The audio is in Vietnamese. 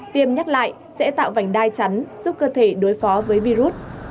tiêm nhắc lại sẽ tạo vành đai chắn giúp cơ thể đối phó với virus